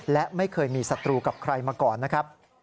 และไม่เคยมีศัตรูกับใครมาก่อนนะครับ